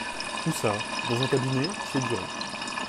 Où ça ? Dans un cabinet, chez Durand.